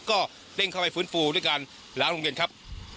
ก็เร่งเข้าไปฟื้นฟูด้วยการล้างโรงเรียนครับ